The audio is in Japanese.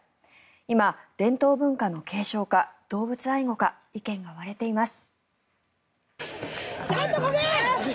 今、伝統文化の継承か動物愛護か意見が割れています。